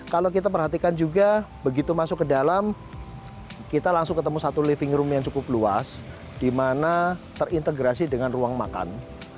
kalau kita perhatikan juga begitu masuk ke dalam kita langsung ketemu satu living room yang cukup luas di mana terintegrasi dengan ruang makan